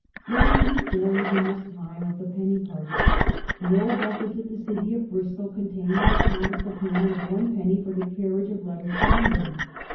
Long before even this time, of the penny post, the old records of the city of Bristol contain an account of the payment of one penny for the carriage of letters to London.